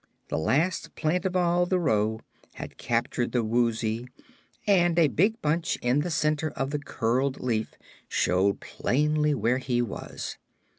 The last plant of all the row had captured the Woozy, and a big bunch in the center of the curled leaf showed plainly where he was.